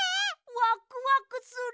ワクワクする。